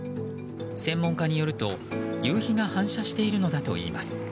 専門家によると、夕日が反射しているのだといいます。